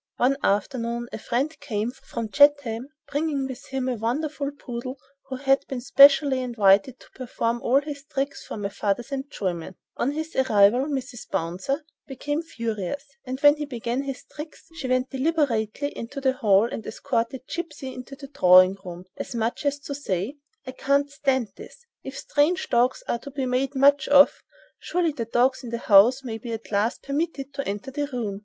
One afternoon a friend came from Chatham bringing with him a wonderful poodle who had been specially invited to perform all his tricks for my father's enjoyment. On his arrival, "Mrs. Bouncer" became furious, and when he began his tricks she went deliberately into the hall and escorted "Gipsy" into the drawing room, as much as to say: "I can't stand this. If strange dogs are to be made much of, surely the dogs in the house may be at least permitted to enter the room."